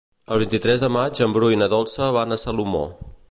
El vint-i-tres de maig en Bru i na Dolça van a Salomó.